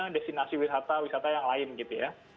destinasi wisata wisata yang lain gitu ya